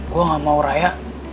gue gak mau raya